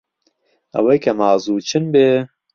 ئەوەی کە مازوو چن بێ